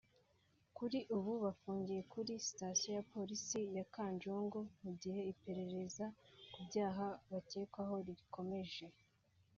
Kuri ubu bafungiye kuri Sitasiyo ya Polisi ya Kanjongo mu gihe iperereza ku byaha bacyekwaho rikomeje